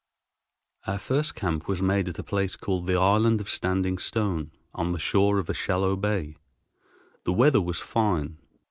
Our first camp was made at a place called the Island of the Standing Stone, on the shore of a shallow bay. The weather was fine.